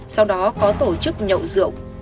sau đó có tổ chức nhậu rượu